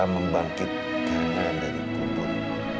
membangkitkannya dari kubur